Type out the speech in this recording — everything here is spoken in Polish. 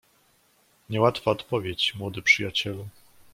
"Nie łatwa odpowiedź, młody przyjacielu!"